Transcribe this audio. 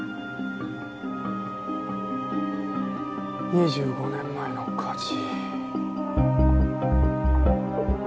２５年前の火事。